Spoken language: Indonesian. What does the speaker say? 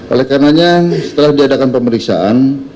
oleh karenanya setelah diadakan pemeriksaan